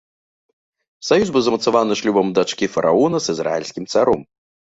Саюз быў змацаваны шлюбам дачкі фараона з ізраільскім царом.